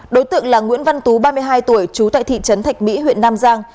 đối tượng là nguyễn văn tú ba mươi hai tuổi trú tại thị trấn thạch mỹ huyện nam giang